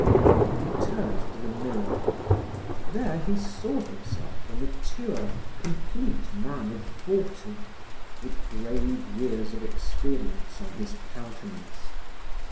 He turned to the mirror. There he saw himself a mature, complete man of forty, with grave years of experience on his countenance.